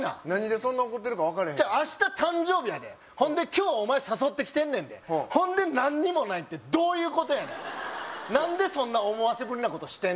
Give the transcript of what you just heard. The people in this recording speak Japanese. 何でそんな怒ってるか分かれへん違う明日誕生日やでほんで今日お前誘ってきてんねんでほんで何にもないってどういうことやねん何でそんな思わせぶりなことし